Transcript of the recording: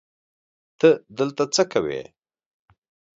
ته دلته څه کوی